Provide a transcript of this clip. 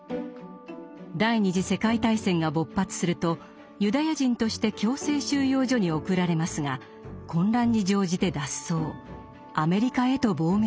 第二次世界大戦が勃発するとユダヤ人として強制収容所に送られますが混乱に乗じて脱走。